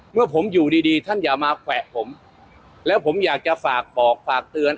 เมื่อผมอยู่ดีดีท่านอย่ามาแขวะผมแล้วผมอยากจะฝากบอกฝากเตือน